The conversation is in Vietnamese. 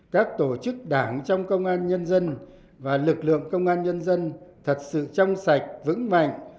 các tổ chức đảng trong công an nhân dân và lực lượng công an nhân dân thật sự trong sạch vững mạnh